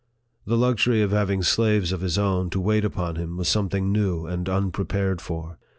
The luxury of having slaves of his own to wait upon him was something new and unprepared for.